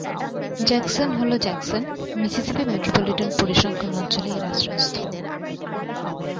Jackson হল Jackson, Mississippi metropolitan পরিসংখ্যান অঞ্চলে এর আশ্রয়স্থল।